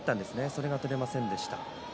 それが取れませんでした。